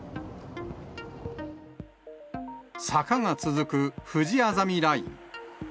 坂が続くふじあざみライン。